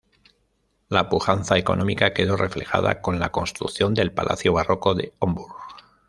La pujanza económica quedó reflejada con la construcción del palacio barroco de Homburg.